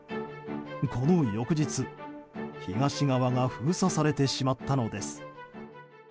この翌日、東側が封鎖されてしまったのです。